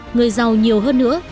người giàu nhiều hơn nữa